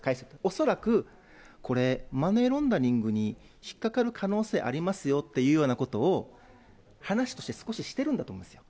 恐らくこれ、マネーロンダリングに引っかかる可能性ありますよっていうようなことを話として少ししてるんだと思うんですよ。